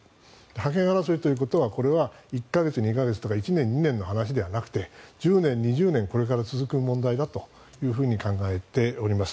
覇権争いということは１か月、２か月とか１年、２年の問題ではなくて１０年、２０年これから続く問題だと考えております。